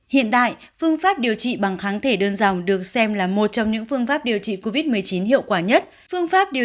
hiện tại phương pháp điều trị bằng kháng thể đơn dòng được xem là một trong những phương pháp điều